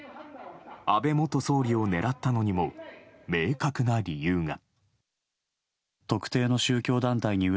安倍元総理を狙ったのにも明確な理由が。